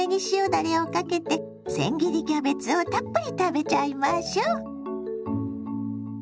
だれをかけてせん切りキャベツをたっぷり食べちゃいましょ！